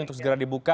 untuk segera dibuka